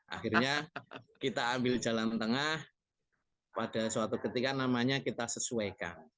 akhirnya kita ambil jalan tengah pada suatu ketika namanya kita sesuaikan